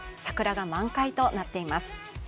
桜が満開となっています。